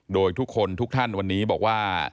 โดยทุกคนทุกท่านวันนี้บอกว่า